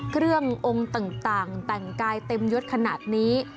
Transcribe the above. องค์ต่างแต่งกายเต็มยดขนาดนี้